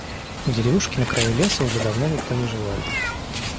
В деревушке на краю леса уже давно никто не живёт.